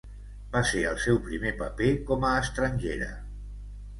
Va ser el seu primer paper com a estrangera.